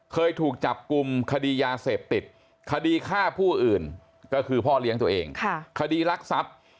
เคยถูกจับกลุ่มคดียาเสพติดคดีฆ่าผู้อื่นก็คือพ่อเลี้ยงตัวเองคดีรักทรัพย์